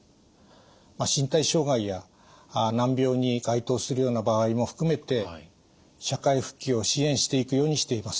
身体障害や難病に該当するような場合も含めて社会復帰を支援していくようにしています。